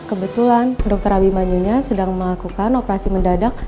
kebetulan dokter abimanyunya sedang melakukan operasi mendadak